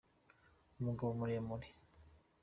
Umugabo muremure.